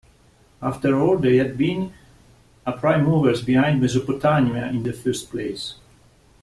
After all, they had been the prime movers behind Mesopotamia in the first place.